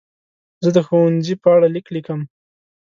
زه د ښوونځي په اړه لیک لیکم.